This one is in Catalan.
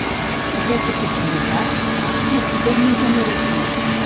Aquesta profunditat, és clar, era un terme generativista.